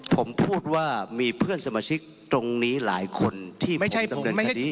ผมพูดว่ามีเพื่อนสมชิกตรงนี้หลายคนที่ผมดำเนินที่นี่